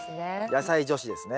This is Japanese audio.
野菜女子ですね。